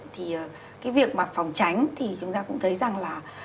thì cái việc mà phòng tránh thì chúng ta cũng thấy rằng là